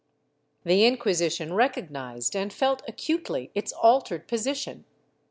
^ The Inquisition recognized and felt acutely its altered position.